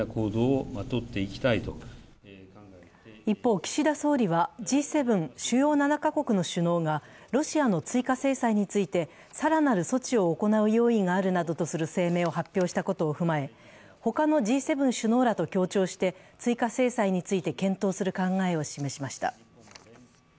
一方、岸田総理はＧ７＝主要７か国の首脳がロシアの追加制裁について更なる措置を行う用意があるなどとする声明を発表したことを踏まえ、他のＧ７首脳らと協調して追加制裁について検討する考えを表明しました。